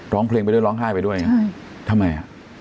ร้องเพลงไปด้วยร้องไห้ไปด้วยไงทำไมอ่ะ